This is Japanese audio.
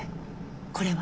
これは？